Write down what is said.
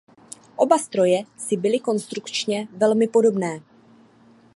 Oba stroje si byly konstrukčně velmi podobné.